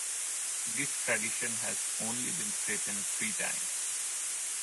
This tradition has only been threatened three times.